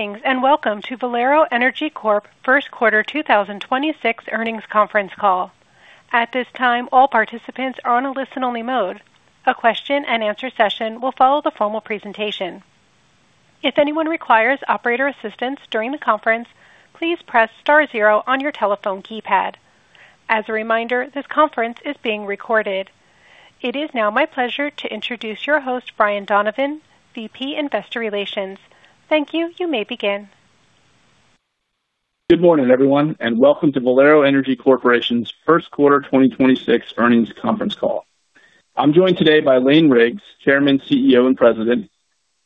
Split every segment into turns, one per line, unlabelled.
At this time, all participants are on a listen-only mode. A question-and-answer session will follow the formal presentation. If anyone requires operator assistance during the conference, please press star zero on your telephone keypad. As a reminder, this conference is being recorded. It is now my pleasure to introduce your host, Brian Donovan, VP Investor Relations. Thank you. You may begin.
Good morning, everyone, and welcome to Valero Energy Corporation's first quarter 2026 earnings conference call. I'm joined today by Lane Riggs, Chairman, CEO, and President,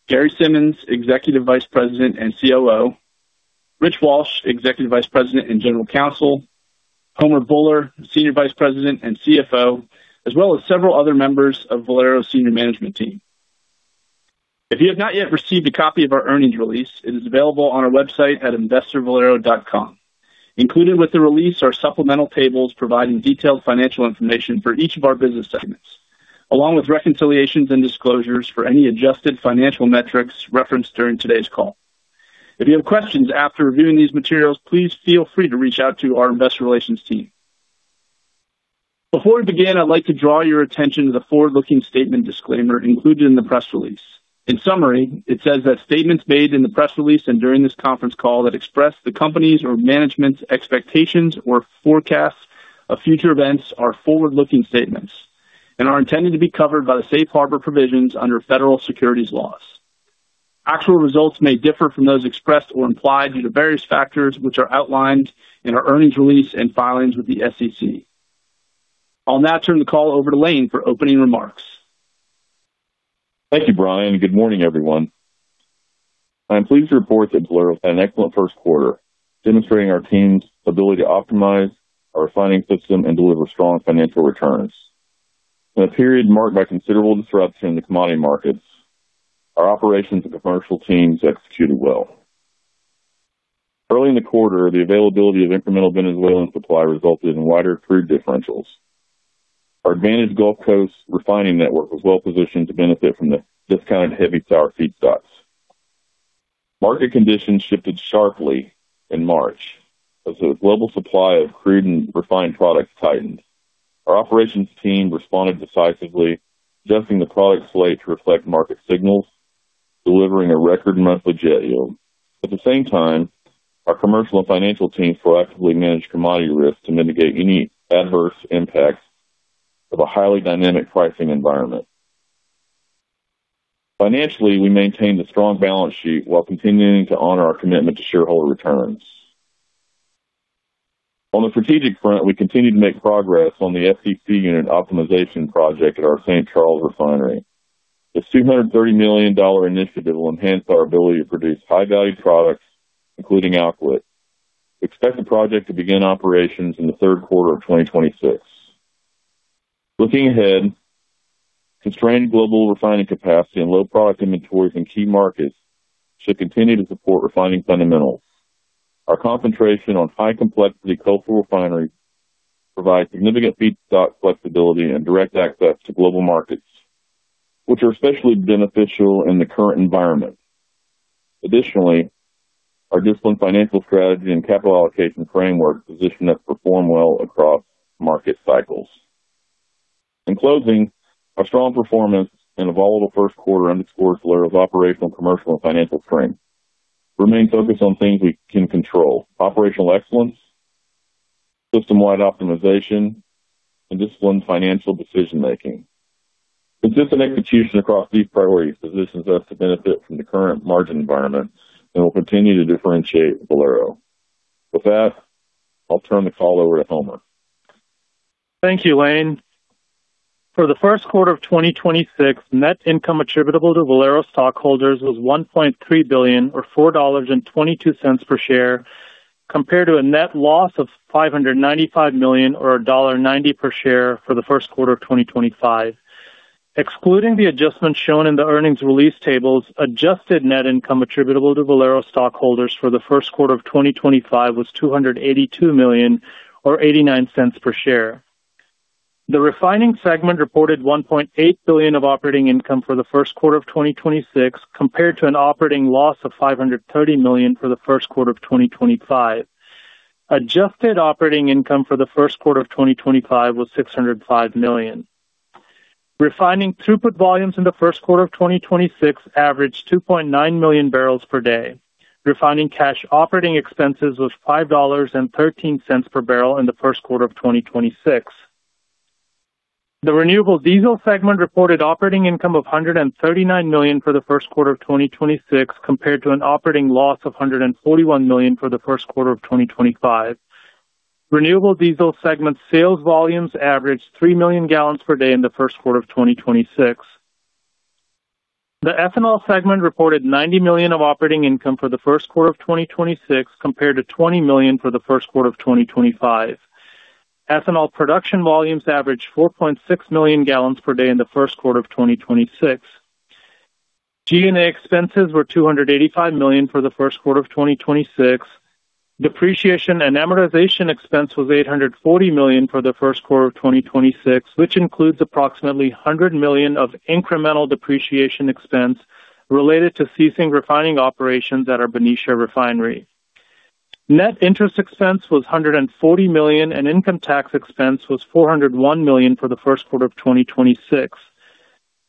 Gary Simmons, Executive Vice President and COO, Rich Walsh, Executive Vice President and General Counsel, Homer Bhullar, Senior Vice President and CFO, as well as several other members of Valero's senior management team. If you have not yet received a copy of our earnings release, it is available on our website at investorvalero.com. Included with the release are supplemental tables providing detailed financial information for each of our business segments, along with reconciliations and disclosures for any adjusted financial metrics referenced during today's call. If you have questions after reviewing these materials, please feel free to reach out to our investor relations team. Before we begin, I'd like to draw your attention to the forward-looking statement disclaimer included in the press release. In summary, it says that statements made in the press release and during this conference call that express the company's or management's expectations or forecasts of future events are forward-looking statements and are intended to be covered by the safe harbor provisions under federal securities laws. Actual results may differ from those expressed or implied due to various factors which are outlined in our earnings release and filings with the SEC. I'll now turn the call over to Lane for opening remarks.
Thank you, Brian. Good morning, everyone. I'm pleased to report that Valero had an excellent first quarter, demonstrating our team's ability to optimize our refining system and deliver strong financial returns. In a period marked by considerable disruption in the commodity markets, our operations and commercial teams executed well. Early in the quarter, the availability of incremental Venezuelan supply resulted in wider crude differentials. Our advantaged Gulf Coast refining network was well-positioned to benefit from the discounted heavy sour feedstocks. Market conditions shifted sharply in March as the global supply of crude and refined products tightened. Our operations team responded decisively, adjusting the product slate to reflect market signals, delivering a record monthly jet yield. At the same time, our commercial and financial teams proactively managed commodity risk to mitigate any adverse impacts of a highly dynamic pricing environment. Financially, we maintained a strong balance sheet while continuing to honor our commitment to shareholder returns. On the strategic front, we continue to make progress on the FCC unit optimization project at our St. Charles refinery. This $230 million initiative will enhance our ability to produce high-value products, including alkylate. We expect the project to begin operations in the third quarter of 2026. Looking ahead, constrained global refining capacity and low product inventories in key markets should continue to support refining fundamentals. Our concentration on high-complexity coastal refineries provides significant feedstock flexibility and direct access to global markets, which are especially beneficial in the current environment. Additionally, our disciplined financial strategy and capital allocation framework position us to perform well across market cycles. In closing, our strong performance in a volatile first quarter underscores Valero's operational, commercial, and financial strength. We remain focused on things we can control. Operational excellence, system-wide optimization, and disciplined financial decision-making. The disciplined execution across these priorities positions us to benefit from the current margin environment and will continue to differentiate Valero. With that, I'll turn the call over to Homer.
Thank you, Lane. For the first quarter of 2026, net income attributable to Valero stockholders was $1.3 billion or $4.22 per share, compared to a net loss of $595 million or $1.90 per share for the first quarter of 2025. Excluding the adjustments shown in the earnings release tables, adjusted net income attributable to Valero stockholders for the first quarter of 2025 was $282 million or $0.89 per share. The refining segment reported $1.8 billion of operating income for the first quarter of 2026, compared to an operating loss of $530 million for the first quarter of 2025. Adjusted operating income for the first quarter of 2025 was $605 million. Refining throughput volumes in the first quarter of 2026 averaged 2.9 million barrels per day. Refining cash operating expenses was $5.13 per barrel in the first quarter of 2026. The renewable diesel segment reported operating income of $139 million for the first quarter of 2026, compared to an operating loss of $141 million for the first quarter of 2025. Renewable diesel segment sales volumes averaged 3 million gallons per day in the first quarter of 2026. The ethanol segment reported $90 million of operating income for the first quarter of 2026, compared to $20 million for the first quarter of 2025. Ethanol production volumes averaged 4.6 million gallons per day in the first quarter of 2026. G&A expenses were $285 million for the first quarter of 2026. Depreciation and Amortization expense was $840 million for the first quarter of 2026, which includes approximately $100 million of incremental depreciation expense related to ceasing refining operations at our Benicia Refinery. Net interest expense was $140 million, and income tax expense was $401 million for the first quarter of 2026.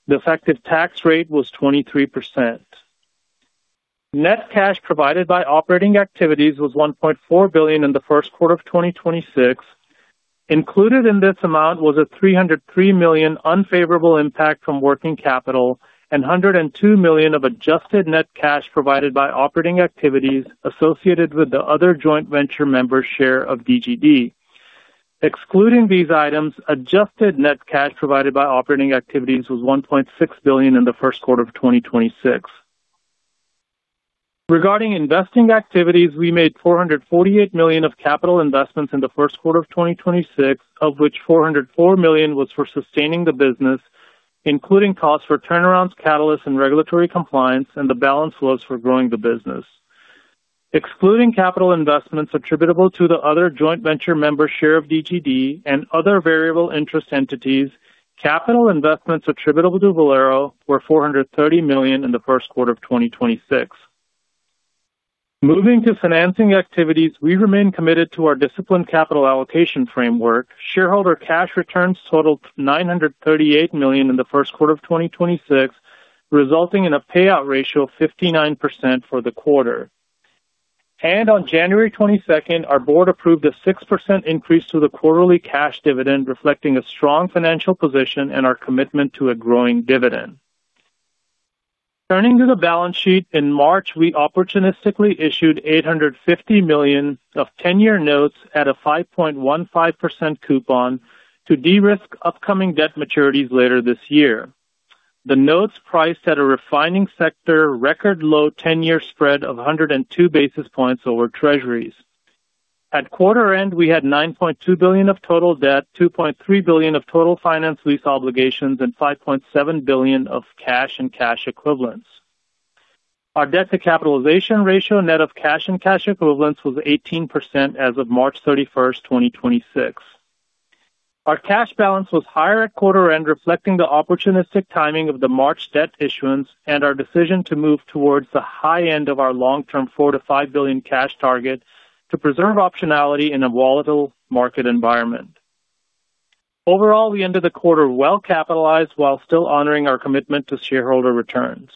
The effective tax rate was 23%. Net cash provided by operating activities was $1.4 billion in the first quarter of 2026. Included in this amount was a $303 million unfavorable impact from working capital and $102 million of adjusted net cash provided by operating activities associated with the other joint venture member share of DGD. Excluding these items, adjusted net cash provided by operating activities was $1.6 billion in the first quarter of 2026. Regarding investing activities, we made $448 million of capital investments in the first quarter of 2026, of which $404 million was for sustaining the business, including costs for turnarounds, catalysts and regulatory compliance, and the balance was for growing the business. Excluding capital investments attributable to the other joint venture member share of DGD and other variable interest entities, capital investments attributable to Valero were $430 million in the first quarter of 2026. Moving to financing activities, we remain committed to our disciplined capital allocation framework. Shareholder cash returns totaled $938 million in the first quarter of 2026, resulting in a payout ratio of 59% for the quarter. On January 2second, our board approved a 6% increase to the quarterly cash dividend, reflecting a strong financial position and our commitment to a growing dividend. Turning to the balance sheet, in March, we opportunistically issued $850 million of 10-year notes at a 5.15% coupon to de-risk upcoming debt maturities later this year. The notes priced at a refining sector record low 10-year spread of 102 basis points over treasuries. At quarter end, we had $9.2 billion of total debt, $2.3 billion of total finance lease obligations, and $5.7 billion of cash and cash equivalents. Our debt to capitalization ratio, net of cash and cash equivalents, was 18% as of March 31, 2026. Our cash balance was higher at quarter-end, reflecting the opportunistic timing of the March debt issuance and our decision to move towards the high end of our long-term $4 billion-$5 billion cash target to preserve optionality in a volatile market environment. Overall, we ended the quarter well-capitalized while still honoring our commitment to shareholder returns.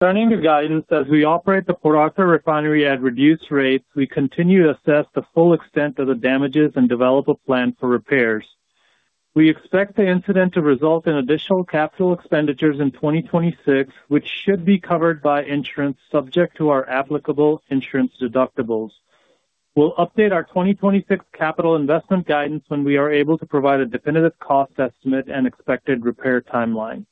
Turning to guidance. As we operate the Port Arthur Refinery at reduced rates, we continue to assess the full extent of the damages and develop a plan for repairs. We expect the incident to result in additional capital expenditures in 2026, which should be covered by insurance subject to our applicable insurance deductibles. We'll update our 2026 capital investment guidance when we are able to provide a definitive cost estimate and expected repair timeline.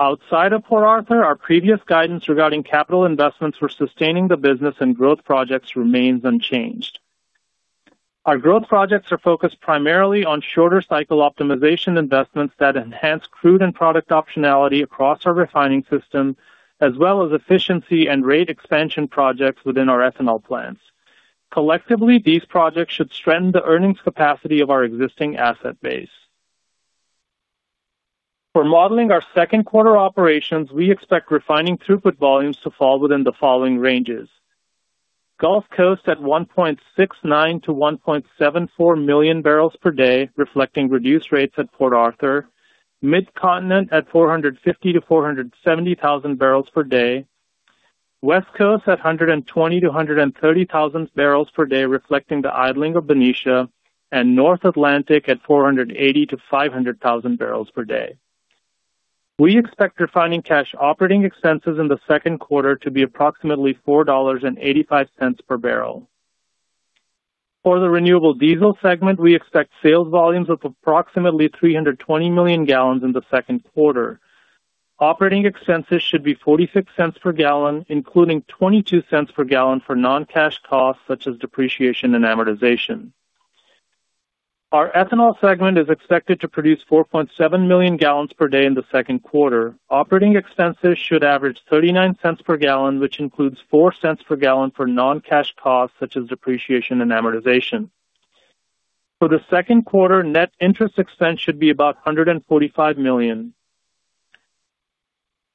Outside of Port Arthur, our previous guidance regarding capital investments for sustaining the business and growth projects remains unchanged. Our growth projects are focused primarily on shorter cycle optimization investments that enhance crude and product optionality across our refining system, as well as efficiency and rate expansion projects within our ethanol plants. Collectively, these projects should strengthen the earnings capacity of our existing asset base. For modeling our second quarter operations, we expect refining throughput volumes to fall within the following ranges. Gulf Coast at 1.69 million-1.74 million barrels per day, reflecting reduced rates at Port Arthur. Mid-Continent at 450,000-470,000 barrels per day. West Coast at 120,000-130,000 barrels per day, reflecting the idling of Benicia. North Atlantic at 480,000-500,000 barrels per day. We expect refining cash operating expenses in the second quarter to be approximately $4.85 per barrel. For the renewable diesel segment, we expect sales volumes of approximately 320 million gallons in the second quarter. Operating expenses should be $0.46 per gallon, including $0.22 per gallon for non-cash costs such as depreciation and amortization. Our ethanol segment is expected to produce 4.7 million gallons per day in the second quarter. Operating expenses should average $0.39 per gallon, which includes $0.04 per gallon for non-cash costs such as depreciation and amortization. For the second quarter, net interest expense should be about $145 million.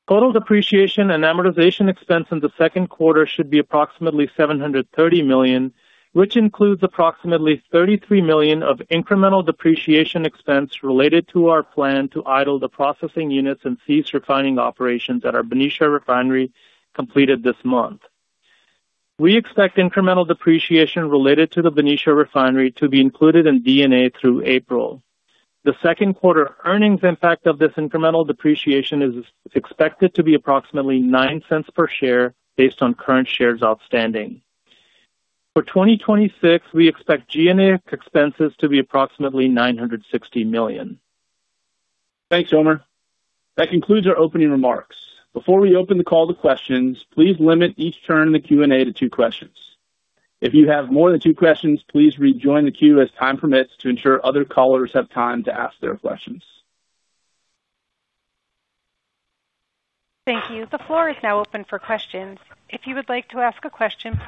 Total depreciation and amortization expense in the second quarter should be approximately $730 million, which includes approximately $33 million of incremental depreciation expense related to our plan to idle the processing units and cease refining operations at our Benicia Refinery completed this month. We expect incremental depreciation related to the Benicia Refinery to be included in D&A through April. The second quarter earnings impact of this incremental depreciation is expected to be approximately $0.09 per share based on current shares outstanding. For 2026, we expect G&A expenses to be approximately $960 million.
Thanks, Homer. That concludes our opening remarks. Before we open the call to questions, please limit each turn in the Q&A to two questions. If you have more than two questions, please rejoin the queue as time permits to ensure other callers have time to ask their questions.
Thank you. The floor is now open for questions. Today's first question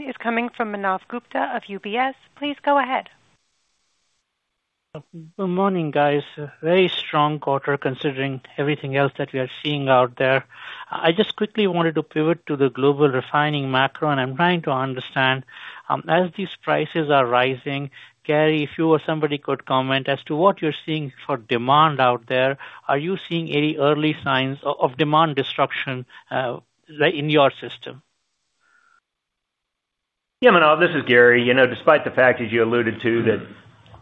is coming from Manav Gupta of UBS. Please go ahead.
Good morning, guys. Very strong quarter considering everything else that we are seeing out there. I just quickly wanted to pivot to the global refining macro. I'm trying to understand, as these prices are rising, Gary, if you or somebody could comment as to what you're seeing for demand out there. Are you seeing any early signs of demand destruction in your system?
Manav, this is Gary. You know, despite the fact, as you alluded to, that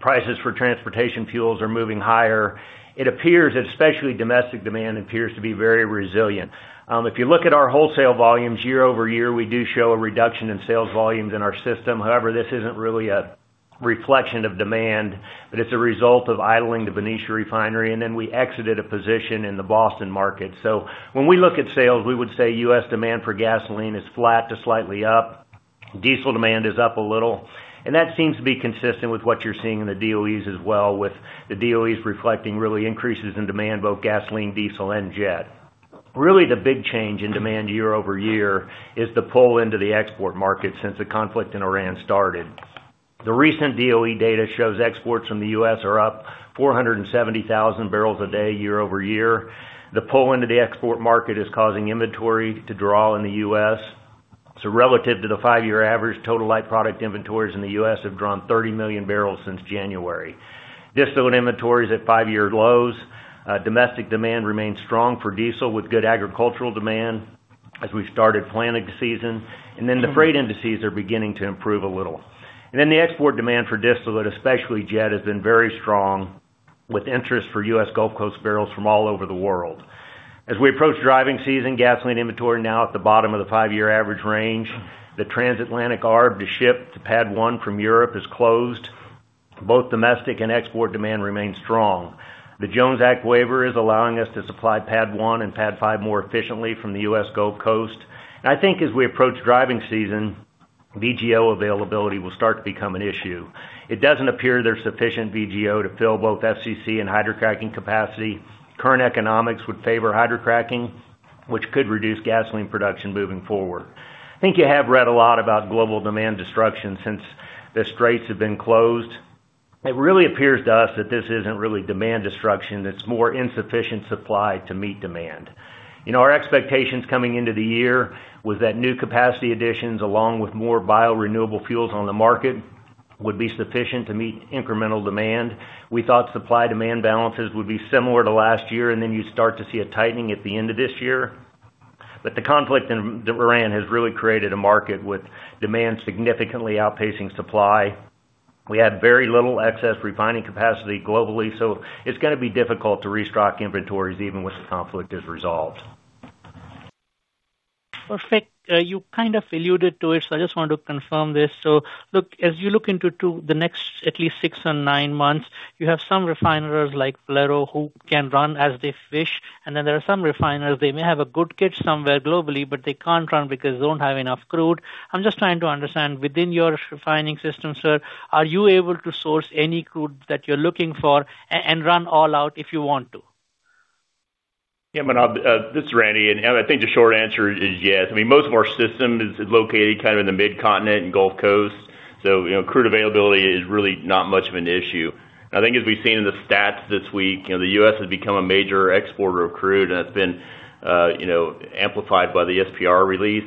prices for transportation fuels are moving higher, it appears, especially domestic demand appears to be very resilient. If you look at our wholesale volumes year-over-year, we do show a reduction in sales volumes in our system. However, this isn't really a reflection of demand, but it's a result of idling the Benicia refinery, and then we exited a position in the Boston market. When we look at sales, we would say U.S. demand for gasoline is flat to slightly up. Diesel demand is up a little, and that seems to be consistent with what you're seeing in the DOEs as well, with the DOEs reflecting really increases in demand, both gasoline, diesel and jet. Really, the big change in demand year-over-year is the pull into the export market since the conflict in Iran started. The recent DOE data shows exports from the U.S. are up 470,000 barrels a day year-over-year. The pull into the export market is causing inventory to draw in the U.S. Relative to the five-year average, total light product inventories in the U.S. have drawn 30 million barrels since January. Distillate inventory is at five-year lows. Domestic demand remains strong for diesel, with good agricultural demand as we've started planting season. The freight indices are beginning to improve a little. The export demand for distillate, especially jet, has been very strong, with interest for U.S. Gulf Coast barrels from all over the world. As we approach driving season, gasoline inventory now at the bottom of the five-year average range. The transatlantic arb to ship to Pad 1 from Europe is closed. Both domestic and export demand remain strong. The Jones Act waiver is allowing us to supply Pad 1 and Pad 5 more efficiently from the U.S. Gulf Coast. I think as we approach driving season, VGO availability will start to become an issue. It doesn't appear there's sufficient VGO to fill both FCC and hydrocracking capacity. Current economics would favor hydrocracking, which could reduce gasoline production moving forward. I think you have read a lot about global demand destruction since the straits have been closed. It really appears to us that this isn't really demand destruction, it's more insufficient supply to meet demand. You know, our expectations coming into the year was that new capacity additions, along with more biorenewable fuels on the market, would be sufficient to meet incremental demand. We thought supply-demand balances would be similar to last year. You'd start to see a tightening at the end of this year. The conflict in Iran has really created a market with demand significantly outpacing supply. We had very little excess refining capacity globally. It's gonna be difficult to restock inventories even once the conflict is resolved.
Perfect. You kind of alluded to it, I just wanted to confirm this. As you look into to the next at least six or nine months, you have some refiners like Valero who can run as they wish. Then there are some refiners, they may have a good kit somewhere globally, but they can't run because they don't have enough crude. I'm just trying to understand, within your refining system, sir, are you able to source any crude that you're looking for and run all out if you want to?
Yeah, Manav, this is Randy. I think the short answer is yes. I mean, most of our system is located kind of in the Mid-Continent and Gulf Coast. You know, crude availability is really not much of an issue. I think as we've seen in the stats this week, you know, the U.S. has become a major exporter of crude. It's been, you know, amplified by the SPR release.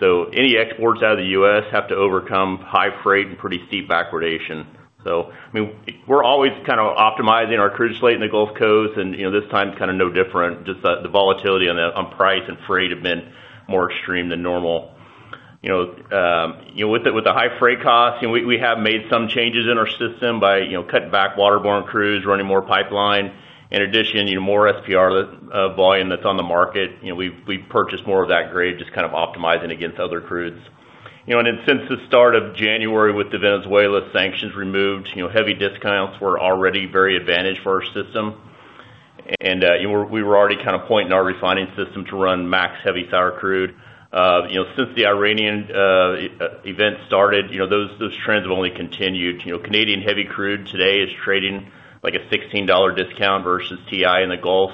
Any exports out of the U.S. have to overcome high freight and pretty steep backwardation. I mean, we're always kind of optimizing our crude slate in the Gulf Coast. You know, this time's kind of no different. Just the volatility on price and freight have been more extreme than normal. You know, you know, with the, with the high freight costs, you know, we have made some changes in our system by, you know, cutting back waterborne crudes, running more pipeline. In addition, you know, more SPR volume that's on the market. You know, we've purchased more of that grade, just kind of optimizing against other crudes. You know, since the start of January with the Venezuela sanctions removed, you know, heavy discounts were already very advantaged for our system. You know, we were already kind of pointing our refining system to run max heavy sour crude. You know, since the Iranian event started, you know, those trends have only continued. You know, Canadian heavy crude today is trading like a $16 discount versus WTI in the Gulf.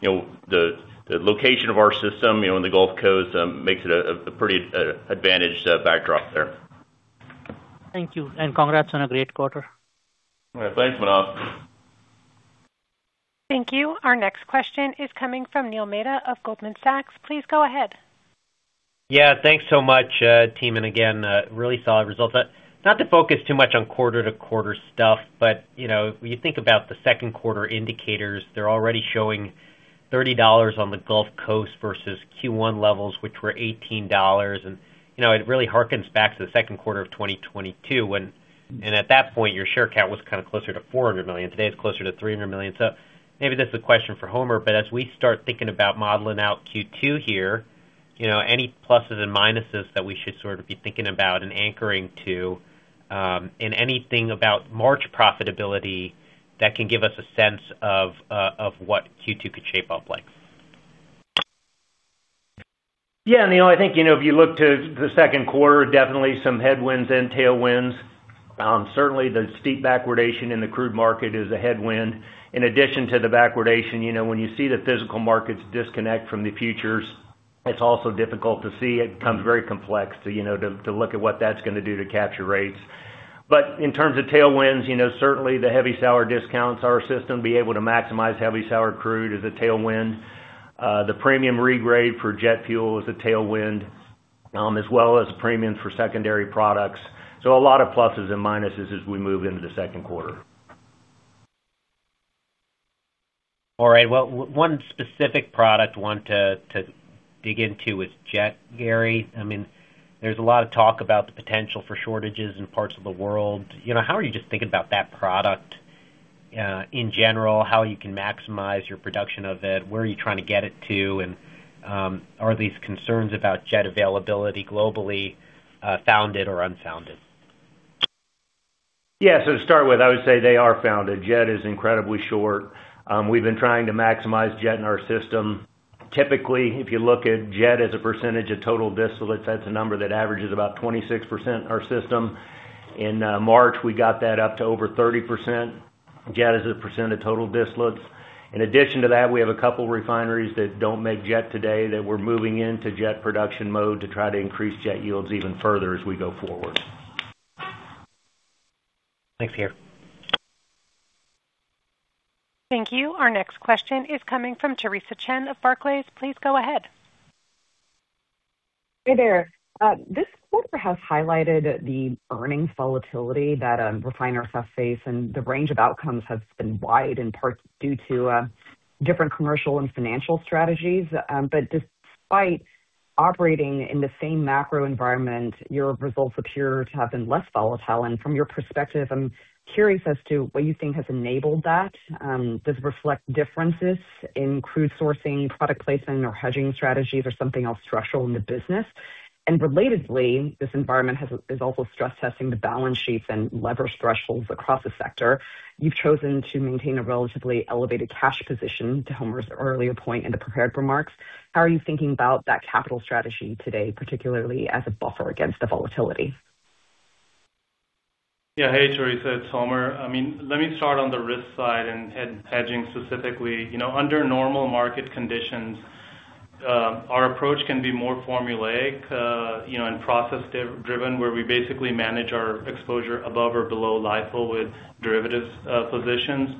You know, the location of our system, you know, in the Gulf Coast makes it a pretty advantaged backdrop there.
Thank you, and congrats on a great quarter.
All right. Thanks, Manav.
Thank you. Our next question is coming from Neil Mehta of Goldman Sachs. Please go ahead.
Yeah, thanks so much, team, and again, really solid results. Not to focus too much on quarter-to-quarter stuff, but, you know, when you think about the second quarter indicators, they're already showing $30 on the Gulf Coast versus Q1 levels, which were $18. You know, it really hearkens back to the second quarter of 2022. At that point, your share count was kind of closer to $400 million. Today, it's closer to $300 million. Maybe this is a question for Homer, but as we start thinking about modeling out Q2 here, you know, any pluses and minuses that we should sort of be thinking about and anchoring to, and anything about March profitability that can give us a sense of what Q2 could shape up like.
Neil, I think if you look to the second quarter, definitely some headwinds and tailwinds. Certainly the steep backwardation in the crude market is a headwind. In addition to the backwardation, when you see the physical markets disconnect from the futures, it's also difficult to see. It becomes very complex to look at what that's gonna do to capture rates. In terms of tailwinds, certainly the heavy sour discounts, our system be able to maximize heavy sour crude is a tailwind. The premium regrade for jet fuel is a tailwind, as well as premiums for secondary products. A lot of pluses and minuses as we move into the second quarter.
All right, well one specific product I want to dig into is jet, Gary. I mean, there's a lot of talk about the potential for shortages in parts of the world. You know, how are you just thinking about that product in general? How you can maximize your production of it? Where are you trying to get it to? And are these concerns about jet availability globally founded or unfounded?
Yeah, to start with, I would say they are sound. Jet is incredibly short. We've been trying to maximize jet in our system. Typically, if you look at jet as a percentage of total distillates, that's a number that averages about 26% our system. In March, we got that up to over 30% jet as a percent of total distillates. In addition to that, we have a couple refineries that don't make jet today that we're moving into jet production mode to try to increase jet yields even further as we go forward.
Thanks, Gary.
Thank you. Our next question is coming from Theresa Chen of Barclays. Please go ahead.
Hey there. This quarter has highlighted the earnings volatility that refiners have faced, the range of outcomes has been wide, in part due to different commercial and financial strategies. Despite operating in the same macro environment, your results appear to have been less volatile. From your perspective, I'm curious as to what you think has enabled that. Does it reflect differences in crude sourcing, product placement or hedging strategies or something else structural in the business? Relatedly, this environment is also stress-testing the balance sheets and leverage thresholds across the sector. You've chosen to maintain a relatively elevated cash position, to Homer's earlier point in the prepared remarks. How are you thinking about that capital strategy today, particularly as a buffer against the volatility?
Yeah. Hey, Theresa, it's Homer. I mean, let me start on the risk side and hedging specifically. You know, under normal market conditions, our approach can be more formulaic, you know, and process driven, where we basically manage our exposure above or below LIFO with derivatives positions.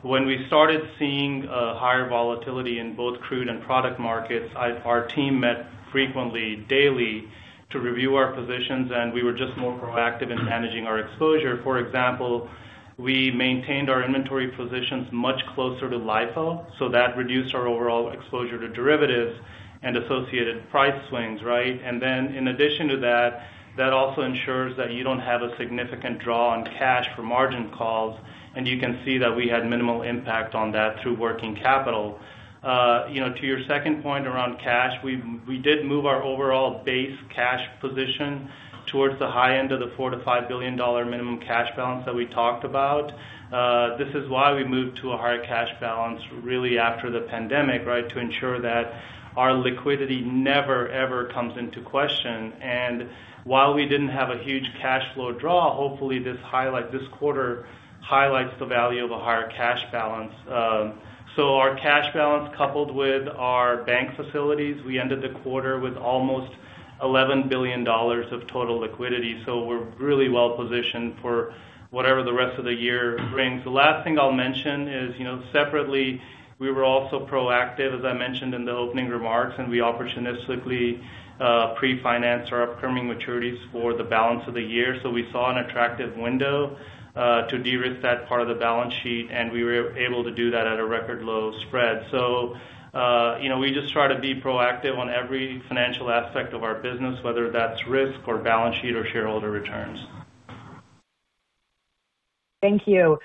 When we started seeing higher volatility in both crude and product markets, our team met frequently, daily to review our positions, and we were just more proactive in managing our exposure. For example, we maintained our inventory positions much closer to LIFO, that reduced our overall exposure to derivatives and associated price swings, right? In addition to that also ensures that you don't have a significant draw on cash for margin calls, and you can see that we had minimal impact on that through working capital. You know, to your second point around cash, we did move our overall base cash position towards the high end of the $4 billion-$5 billion minimum cash balance that we talked about. This is why we moved to a higher cash balance, really, after the pandemic, right? To ensure that our liquidity never, ever comes into question. While we didn't have a huge cash flow draw, hopefully this quarter highlights the value of a higher cash balance. Our cash balance, coupled with our bank facilities, we ended the quarter with almost $11 billion of total liquidity. We're really well positioned for whatever the rest of the year brings. The last thing I'll mention is, you know, separately, we were also proactive, as I mentioned in the opening remarks, and we opportunistically pre-financed our upcoming maturities for the balance of the year. We saw an attractive window to de-risk that part of the balance sheet, and we were able to do that at a record low spread. You know, we just try to be proactive on every financial aspect of our business, whether that's risk or balance sheet or shareholder returns.
Thank you.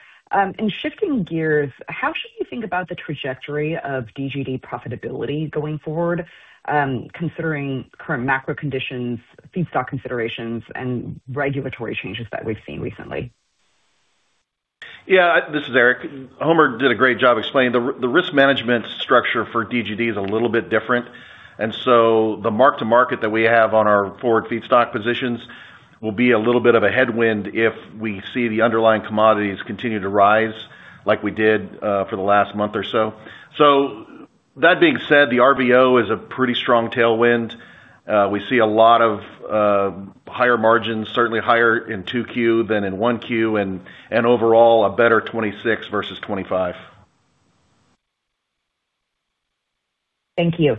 Shifting gears, how should you think about the trajectory of DGD profitability going forward, considering current macro conditions, feedstock considerations, and regulatory changes that we've seen recently?
Yeah. This is Eric. Homer did a great job explaining. The risk management structure for DGD is a little bit different, the mark to market that we have on our forward feedstock positions will be a little bit of a headwind if we see the underlying commodities continue to rise like we did for the last month or so. That being said, the RVO is a pretty strong tailwind. We see a lot of higher margins, certainly higher in 2Q than in 1Q and overall a better 2026 versus 2025.
Thank you.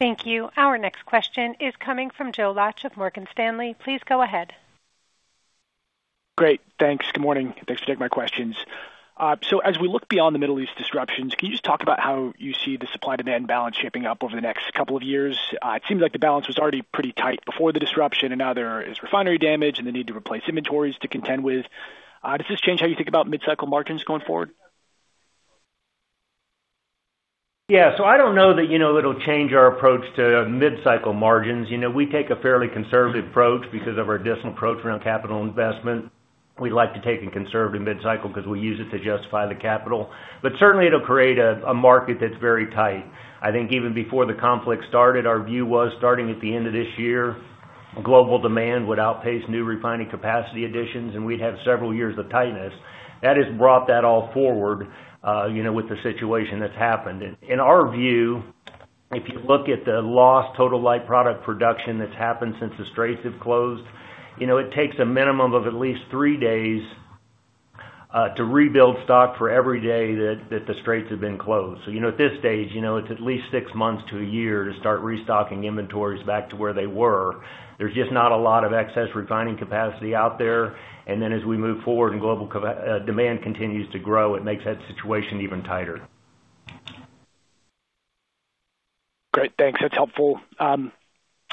Thank you. Our next question is coming from Joe Laetsch of Morgan Stanley. Please go ahead.
Great. Thanks. Good morning. Thanks for taking my questions. As we look beyond the Middle East disruptions, can you just talk about how you see the supply-demand balance shaping up over the next couple of years? It seems like the balance was already pretty tight before the disruption, and now there is refinery damage and the need to replace inventories to contend with. Does this change how you think about mid-cycle margins going forward?
Yeah. I don't know that, you know, it'll change our approach to mid-cycle margins. You know, we take a fairly conservative approach because of our disciplined approach around capital investment. We like to take a conservative mid-cycle because we use it to justify the capital. Certainly it'll create a market that's very tight. I think even before the conflict started, our view was starting at the end of this year, global demand would outpace new refining capacity additions, and we'd have several years of tightness. That has brought that all forward, you know, with the situation that's happened. In our view, if you look at the lost total light product production that's happened since the straits have closed, you know, it takes a minimum of at least three days to rebuild stock for every day that the straits have been closed. You know, at this stage, you know, it's at least six months to a year to start restocking inventories back to where they were. There's just not a lot of excess refining capacity out there. Then as we move forward and global demand continues to grow, it makes that situation even tighter.
Great. Thanks. That's helpful.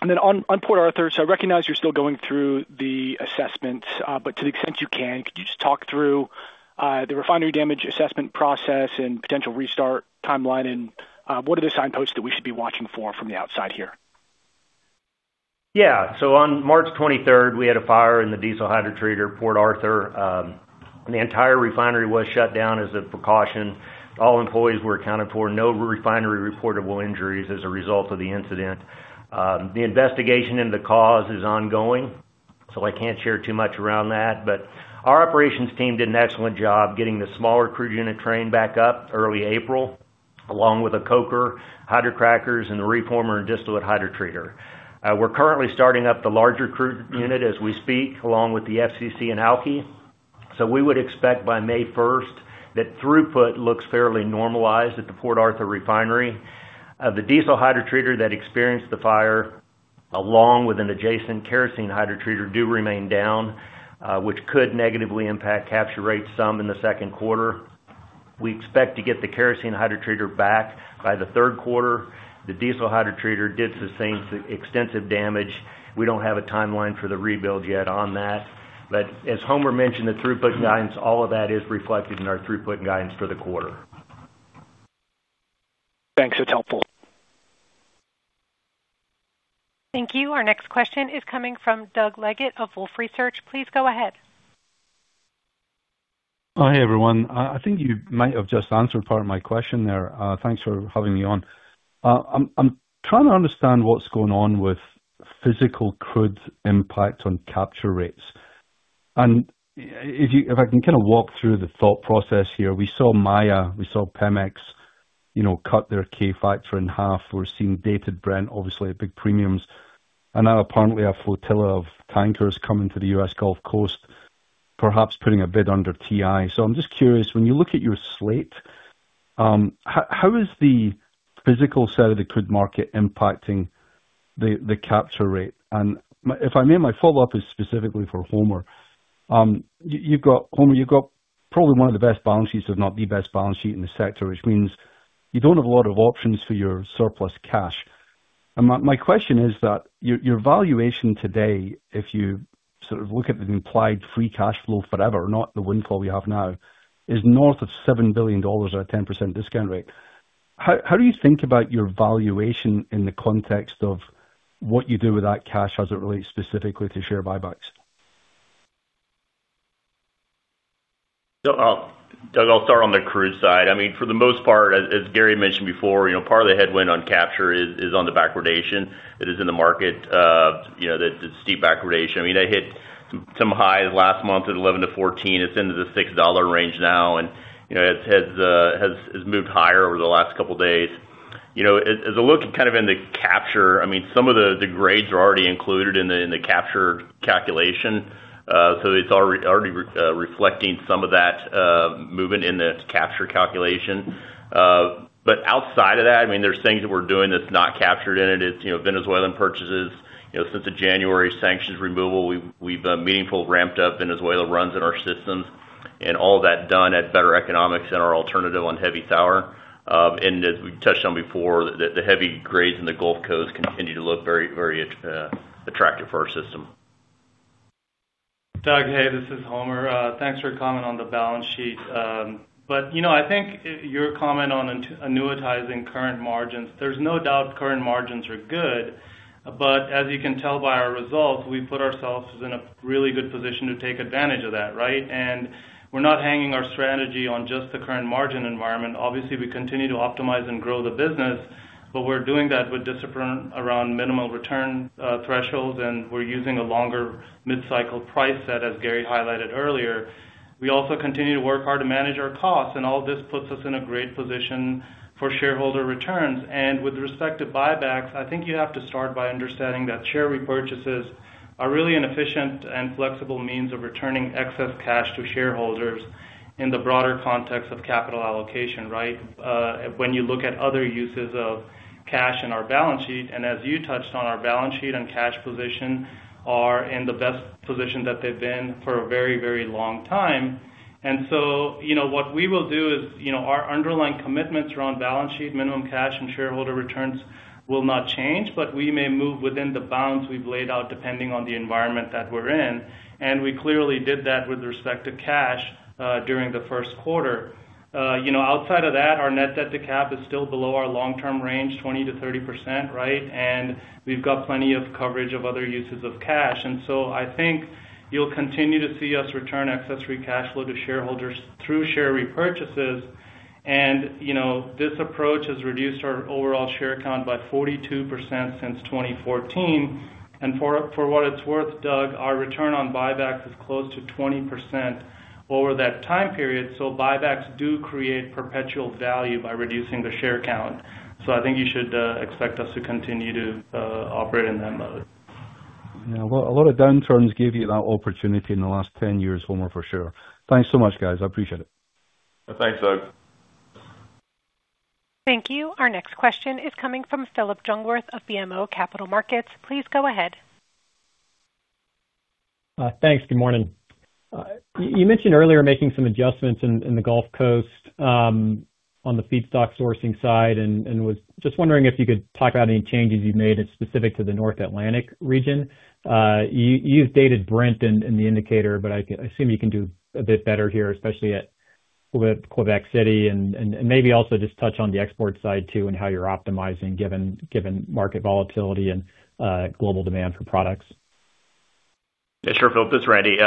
Then on Port Arthur, I recognize you're still going through the assessment, but to the extent you can, could you just talk through the refinery damage assessment process and potential restart timeline? What are the signposts that we should be watching for from the outside here?
On March 23rd, we had a fire in the diesel hydrotreater Port Arthur. The entire refinery was shut down as a precaution. All employees were accounted for. No refinery reportable injuries as a result of the incident. The investigation into cause is ongoing. I can't share too much around that. Our operations team did an excellent job getting the smaller crude unit train back up early April, along with a coker, hydrocrackers and the reformer and distillate hydrotreater. We're currently starting up the larger crude unit as we speak, along with the FCC and Alky. We would expect by May 1st that throughput looks fairly normalized at the Port Arthur refinery. The diesel hydrotreater that experienced the fire, along with an adjacent kerosene hydrotreater do remain down, which could negatively impact capture rates some in the second quarter. We expect to get the kerosene hydrotreater back by the third quarter. The diesel hydrotreater did sustain extensive damage. We don't have a timeline for the rebuild yet on that. As Homer mentioned, the throughput guidance, all of that is reflected in our throughput and guidance for the quarter.
Thanks. That's helpful.
Thank you. Our next question is coming from Doug Leggate of Wolfe Research. Please go ahead.
Oh, hey, everyone. I think you might have just answered part of my question there. Thanks for having me on. I'm trying to understand what's going on with physical crude impact on capture rates. If I can kind of walk through the thought process here. We saw Maya, we saw Pemex, you know, cut their K-factor in half. We're seeing Dated Brent obviously at big premiums. Now apparently a flotilla of tankers coming to the U.S. Gulf Coast, perhaps putting a bid under WTI. I'm just curious, when you look at your slate, how is the physical side of the crude market impacting the capture rate? If I may, my follow-up is specifically for Homer. You've got Homer, you've got probably one of the best balance sheets, if not the best balance sheet in the sector, which means you don't have a lot of options for your surplus cash. My question is that your valuation today, if you sort of look at the implied free cash flow forever, not the windfall you have now, is north of $7 billion at a 10% discount rate. How do you think about your valuation in the context of what you do with that cash as it relates specifically to share buybacks?
Doug, I'll start on the crude side. I mean, for the most part, as Gary mentioned before, you know, part of the headwind on capture is on the backwardation that is in the market. You know, the steep backwardation. I mean, it hit some high last month at $11-$14. It's into the $6 range now, and, you know, it has moved higher over the last couple days. You know, as a look kind of in the capture, I mean, some of the grades are already included in the capture calculation. It's already reflecting some of that movement in the capture calculation. Outside of that, I mean, there's things that we're doing that's not captured in it. It's, you know, Venezuelan purchases. You know, since the January sanctions removal, we've meaningful ramped up Venezuela runs in our systems. All that done at better economics in our alternative and heavy tower. As we touched on before, the heavy grades in the Gulf Coast continue to look very attractive for our system.
Doug, hey, this is Homer. Thanks for comment on the balance sheet. You know, I think your comment on annuitizing current margins, there's no doubt current margins are good. As you can tell by our results, we put ourselves in a really good position to take advantage of that, right? We're not hanging our strategy on just the current margin environment. Obviously, we continue to optimize and grow the business, but we're doing that with discipline around minimal return thresholds, and we're using a longer mid-cycle price set, as Gary highlighted earlier. We also continue to work hard to manage our costs, and all this puts us in a great position for shareholder returns. With respect to buybacks, I think you have to start by understanding that share repurchases are really an efficient and flexible means of returning excess cash to shareholders in the broader context of capital allocation, right? When you look at other uses of cash in our balance sheet, and as you touched on our balance sheet and cash position are in the best position that they've been for a very, very long time. You know, what we will do is, you know, our underlying commitments around balance sheet, minimum cash, and shareholder returns will not change, but we may move within the bounds we've laid out depending on the environment that we're in. We clearly did that with respect to cash during the first quarter. You know, outside of that, our net debt to cap is still below our long-term range, 20%-30%, right? We've got plenty of coverage of other uses of cash. I think you'll continue to see us return accessory cash flow to shareholders through share repurchases. You know, this approach has reduced our overall share count by 42% since 2014. For what it's worth, Doug, our return on buyback is close to 20% over that time period. buybacks do create perpetual value by reducing the share count. I think you should expect us to continue to operate in that mode.
Yeah. A lot of downturns gave you that opportunity in the last 10 years, Homer, for sure. Thanks so much, guys. I appreciate it.
Thanks, Doug.
Thank you. Our next question is coming from Phillip Jungwirth of BMO Capital Markets. Please go ahead.
Thanks. Good morning. You mentioned earlier making some adjustments in the Gulf Coast on the feedstock sourcing side, and was just wondering if you could talk about any changes you've made specific to the North Atlantic region. You've Dated Brent in the indicator, but I assume you can do a bit better here, especially at Québec City. Maybe also just touch on the export side too, and how you're optimizing given market volatility and global demand for products.
Sure, Phillip, this is Randy. You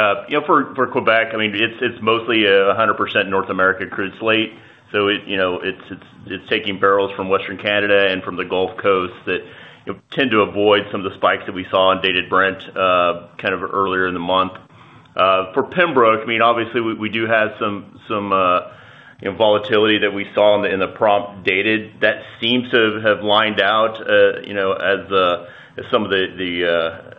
know, for Québec, I mean, it's mostly 100% North America crude slate. It, you know, it's taking barrels from Western Canada and from the Gulf Coast that, you know, tend to avoid some of the spikes that we saw in Dated Brent earlier in the month. For Pembroke, I mean, obviously we do have some volatility that we saw in the prompt dated that seems to have lined out, you know, as some of the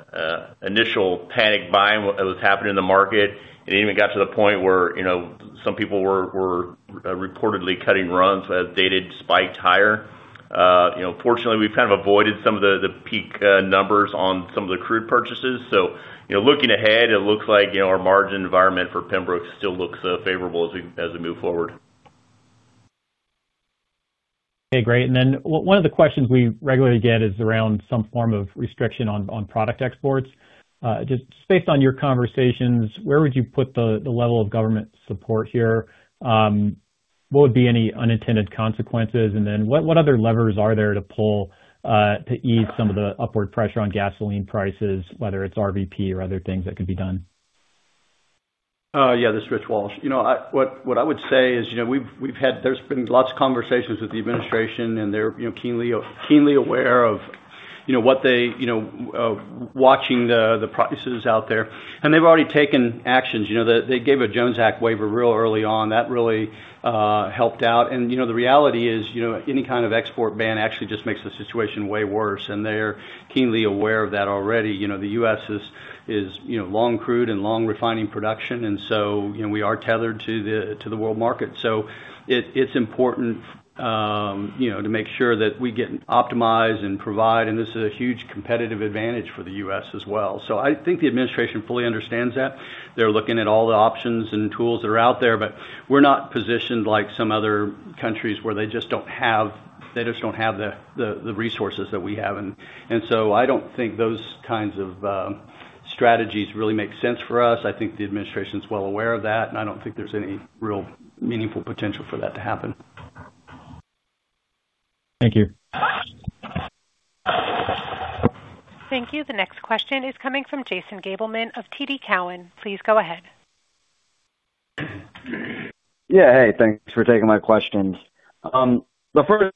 initial panic buying that was happening in the market. It even got to the point where, you know, some people were reportedly cutting runs as dated spiked higher. You know, fortunately, we've kind of avoided some of the peak numbers on some of the crude purchases. You know, looking ahead, it looks like, you know, our margin environment for Pembroke still looks favorable as we, as we move forward.
Okay, great. One of the questions we regularly get is around some form of restriction on product exports. Just based on your conversations, where would you put the level of government support here? What would be any unintended consequences? What other levers are there to pull to ease some of the upward pressure on gasoline prices, whether it's RVP or other things that could be done?
This is Rich Walsh. There's been lots of conversations with the administration, and they're, you know, keenly aware of, you know, what they, you know, watching the prices out there, and they've already taken actions. You know, they gave a Jones Act waiver real early on. That really helped out. You know, the reality is, you know, any kind of export ban actually just makes the situation way worse, and they're keenly aware of that already. You know, the U.S. is, you know, long crude and long refining production, you know, we are tethered to the world market. It's important, you know, to make sure that we get optimized and provide, and this is a huge competitive advantage for the U.S. as well. I think the administration fully understands that. They're looking at all the options and tools that are out there, but we're not positioned like some other countries where they just don't have the resources that we have. I don't think those kinds of strategies really make sense for us. I think the administration's well aware of that, and I don't think there's any real meaningful potential for that to happen.
Thank you.
Thank you. The next question is coming from Jason Gabelman of TD Cowen. Please go ahead.
Hey, thanks for taking my questions. The first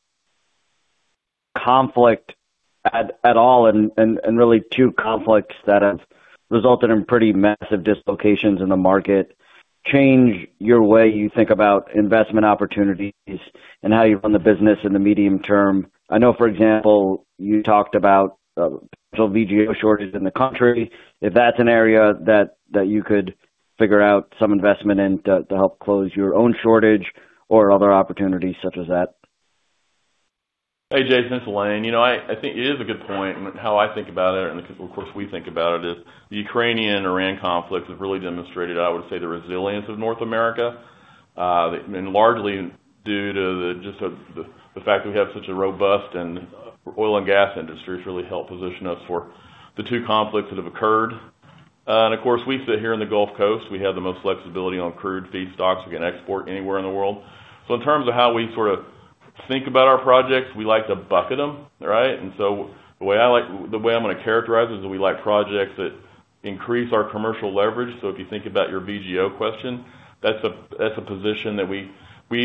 conflict at all, and really two conflicts that have resulted in pretty massive dislocations in the market, change your way you think about investment opportunities and how you run the business in the medium-term. I know, for example, you talked about a potential VGO shortage in the country. If that's an area that you could figure out some investment in to help close your own shortage or other opportunities such as that.
Hey, Jason, it's Lane. You know, I think it is a good point. How I think about it, and of course, we think about it, is the Ukrainian-Iran conflict has really demonstrated, I would say, the resilience of North America. Largely due to the fact that we have such a robust and oil and gas industry has really helped position us for the two conflicts that have occurred. Of course, we sit here in the Gulf Coast. We have the most flexibility on crude feedstocks. We can export anywhere in the world. In terms of how we sort of think about our projects, we like to bucket them, right? The way I'm gonna characterize is we like projects that increase our commercial leverage. If you think about your VGO question, that's a position that we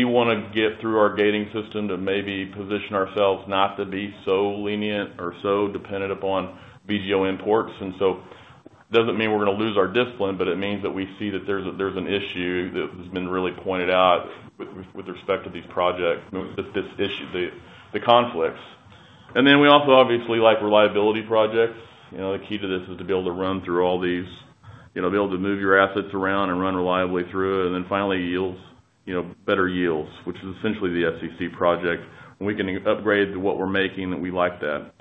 wanna get through our gating system to maybe position ourselves not to be so lenient or so dependent upon VGO imports. It doesn't mean we're gonna lose our discipline, but it means that we see that there's an issue that has been really pointed out with respect to these projects, this issue, the conflicts. We also obviously like reliability projects. You know, the key to this is to be able to run through all these. You know, be able to move your assets around and run reliably through it. Finally, yields. Better yields, which is essentially the FCC project. When we can upgrade to what we're making, we like that.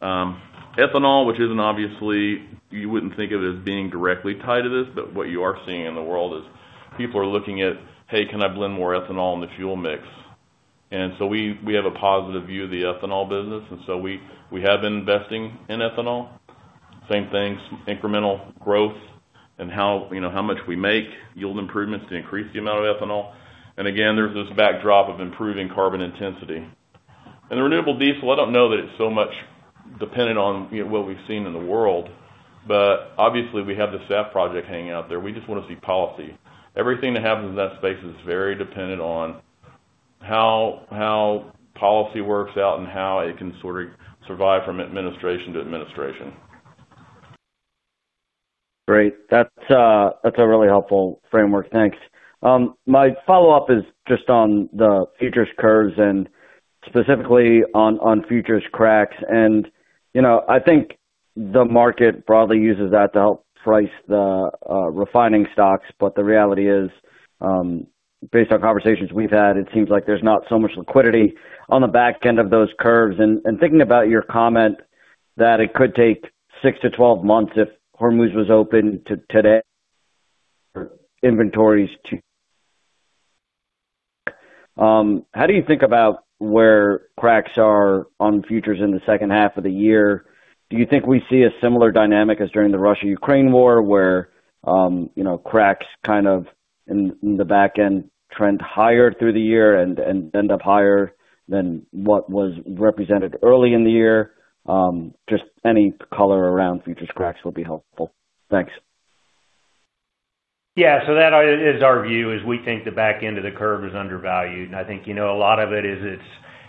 Ethanol, which isn't obviously, you wouldn't think of it as being directly tied to this, but what you are seeing in the world is people are looking at, Hey, can I blend more ethanol in the fuel mix? So we have a positive view of the ethanol business, so we have been investing in ethanol. Same thing, some incremental growth and how much we make, yield improvements to increase the amount of ethanol. Again, there's this backdrop of improving carbon intensity. The renewable diesel, I don't know that it's so much dependent on what we've seen in the world, but obviously we have the SAF project hanging out there. We just wanna see policy. Everything that happens in that space is very dependent on how policy works out and how it can sort of survive from administration to administration.
Great. That's a really helpful framework. Thanks. My follow-up is just on the futures curves and specifically on futures cracks. You know, I think the market broadly uses that to help price the refining stocks. The reality is, based on conversations we've had, it seems like there's not so much liquidity on the back end of those curves. Thinking about your comment that it could take six to 12 months if Hormuz was open today for inventories to. How do you think about where cracks are on futures in the second half of the year? Do you think we see a similar dynamic as during the Russo-Ukrainian War, where, you know, cracks kind of in the back end trend higher through the year and end up higher than what was represented early in the year? Just any color around futures cracks would be helpful. Thanks.
That is our view, is we think the back end of the curve is undervalued. I think, you know, a lot of it is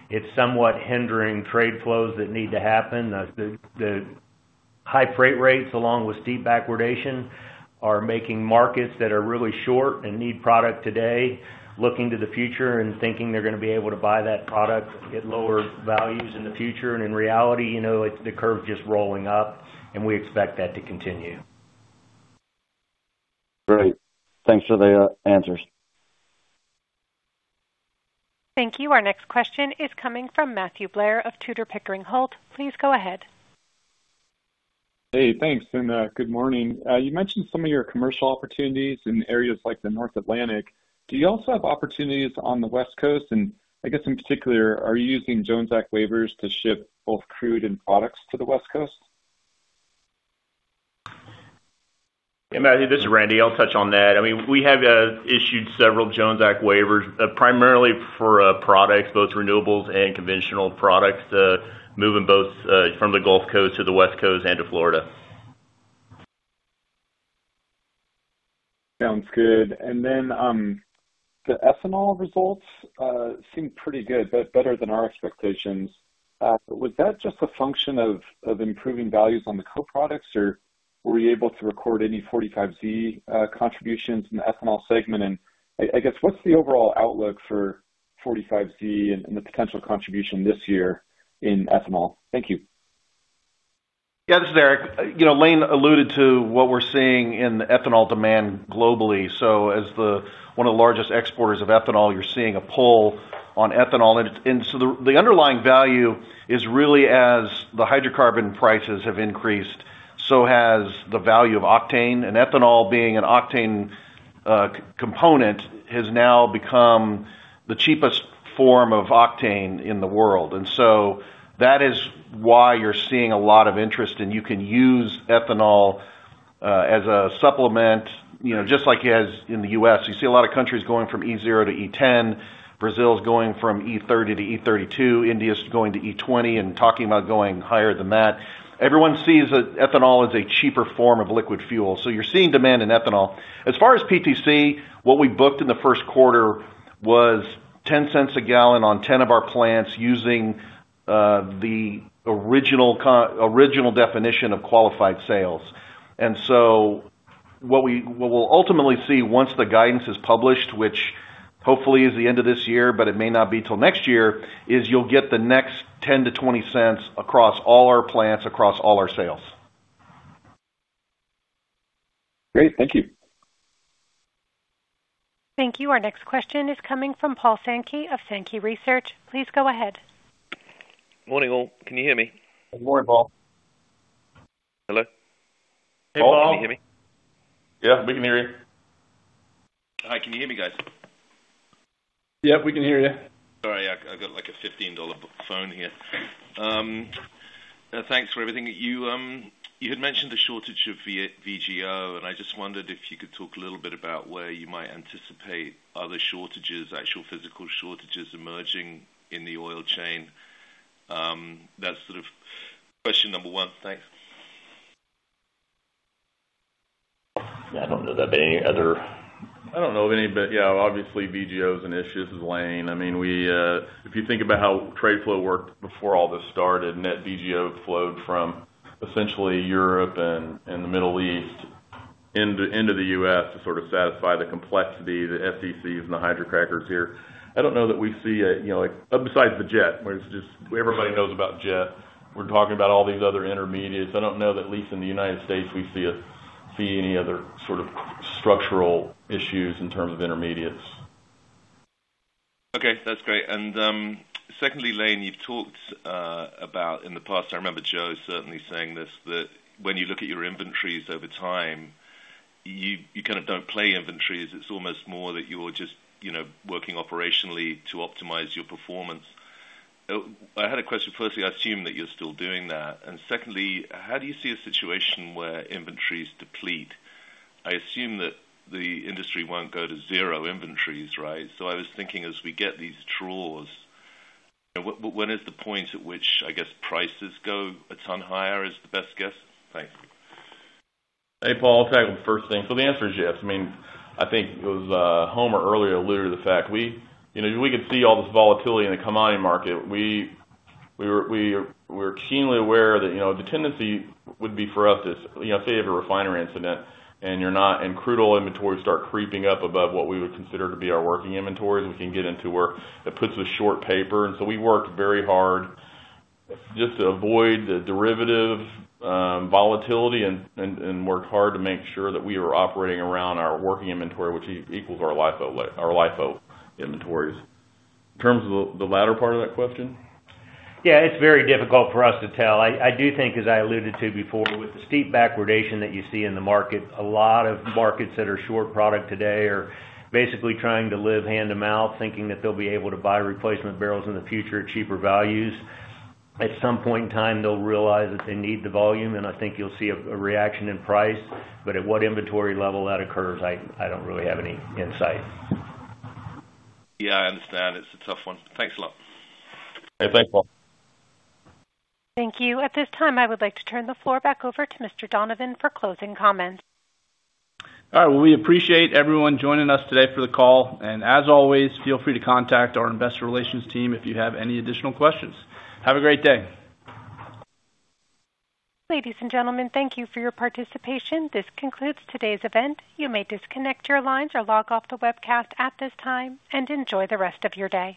it's somewhat hindering trade flows that need to happen. The high freight rates along with steep backwardation are making markets that are really short and need product today, looking to the future and thinking they're going to be able to buy that product at lower values in the future. In reality, you know, the curve just rolling up, and we expect that to continue.
Great. Thanks for the answers.
Thank you. Our next question is coming from Matthew Blair of Tudor, Pickering, Holt. Please go ahead.
Hey, thanks, and good morning. You mentioned some of your commercial opportunities in areas like the North Atlantic. Do you also have opportunities on the West Coast? I guess in particular, are you using Jones Act waivers to ship both crude and products to the West Coast?
Hey, Matthew, this is Randy. I'll touch on that. I mean, we have issued several Jones Act waivers, primarily for products, both renewables and conventional products, moving both from the Gulf Coast to the West Coast and to Florida.
Sounds good. The ethanol results seem pretty good, but better than our expectations. Was that just a function of improving values on the co-products, or were you able to record any 45Z contributions in the ethanol segment? I guess, what's the overall outlook for 45Z and the potential contribution this year in ethanol? Thank you.
Yeah, this is Eric. You know, Lane alluded to what we're seeing in ethanol demand globally. As one of the largest exporters of ethanol, you're seeing a pull on ethanol. The underlying value is really as the hydrocarbon prices have increased, so has the value of octane. Ethanol being an octane component, has now become the cheapest form of octane in the world. That is why you're seeing a lot of interest, and you can use ethanol as a supplement, you know, just like as in the U.S. You see a lot of countries going from E0 to E10. Brazil is going from E30 to E32. India's going to E20 and talking about going higher than that. Everyone sees that ethanol is a cheaper form of liquid fuel. You're seeing demand in ethanol. As far as PTC, what we booked in the first quarter was $0.10 a gallon on 10 of our plants using the original definition of qualified sales. What we'll ultimately see once the guidance is published, which hopefully is the end of this year, but it may not be till next year, is you'll get the next $0.10-$0.20 across all our plants, across all our sales.
Great. Thank you.
Thank you. Our next question is coming from Paul Sankey of Sankey Research. Please go ahead.
Morning, all. Can you hear me?
Good morning, Paul.
Hello?
Hey, Paul.
Can you hear me?
Yeah, we can hear you.
Hi, can you hear me, guys?
Yep, we can hear you.
Sorry, I got, like, a $15 phone here. Thanks for everything. You had mentioned the shortage of VGO, and I just wondered if you could talk a little bit about where you might anticipate other shortages, actual physical shortages emerging in the oil chain. That's sort of question number one. Thanks.
[inaudible]
I don't know of any, but yeah, obviously VGO is an issue, this is Lane. I mean, we... If you think about how trade flow worked before all this started, net VGO flowed from essentially Europe and the Middle East into the U.S. to sort of satisfy the complexity, the FCCs and the hydrocrackers here. I don't know that we see a, you know, like... Besides the jet, where it's just everybody knows about jet. We're talking about all these other intermediates. I don't know that, at least in the United States, we see any other sort of structural issues in terms of intermediates.
Okay, that's great. Secondly, Lane, you've talked about in the past, I remember Joe certainly saying this, that when you look at your inventories over time, you kind of don't play inventories. It's almost more that you're just, you know, working operationally to optimize your performance. I had a question. Firstly, I assume that you're still doing that. Secondly, how do you see a situation where inventories deplete? I assume that the industry won't go to zero inventories, right? I was thinking, as we get these draws, when is the point at which, I guess, prices go a ton higher, is the best guess? Thanks.
Hey, Paul. I'll take the first thing. The answer is yes. I mean, I think it was, Homer earlier alluded to the fact we, you know, we could see all this volatility in the commodity market. We're keenly aware that, you know, the tendency would be for us is, you know, say you have a refinery incident, and crude oil inventories start creeping up above what we would consider to be our working inventories. We can get into where it puts us short paper. We worked very hard just to avoid the derivative volatility and worked hard to make sure that we are operating around our working inventory, which equals our LIFO inventories. In terms of the latter part of that question.
Yeah, it's very difficult for us to tell. I do think, as I alluded to before, with the steep backwardation that you see in the market, a lot of markets that are short product today are basically trying to live hand-to-mouth, thinking that they'll be able to buy replacement barrels in the future at cheaper values. At some point in time, they'll realize that they need the volume. I think you'll see a reaction in price. At what inventory level that occurs, I don't really have any insight.
Yeah, I understand. It's a tough one. Thanks a lot.
Okay. Thanks, Paul.
Thank you. At this time, I would like to turn the floor back over to Mr. Donovan for closing comments.
All right. Well, we appreciate everyone joining us today for the call. As always, feel free to contact our investor relations team if you have any additional questions. Have a great day.
Ladies and gentlemen, thank you for your participation. This concludes today's event. You may disconnect your lines or log off the webcast at this time, and enjoy the rest of your day.